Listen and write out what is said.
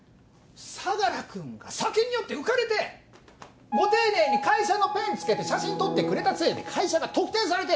相良君が酒に酔って浮かれてご丁寧に会社のペンつけて写真撮ってくれたせいで会社が特定されて！